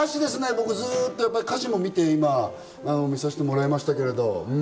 僕、ずっと歌詞を見て、見させてもらいましたけど。